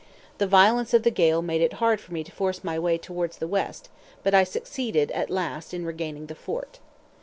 The violence of the gale made it hard for me to force my way towards the west, but I succeeded at last in regaining the fort.